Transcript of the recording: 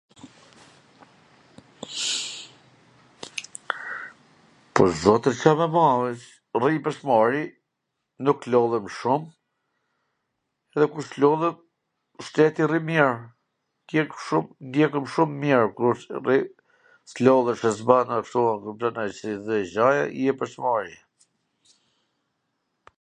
Pwr zotin Ca me ba, rri pwr smari, nuk lodhem shum, dhe kur s lodhem shneti rri mir, ndjehem shum mir kur rri, Clodhesh e s bwn gjw, je pwr s mari...